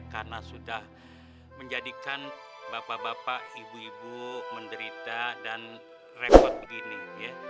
karena sudah menjadikan bapak bapak ibu ibu menderita dan repot begini ya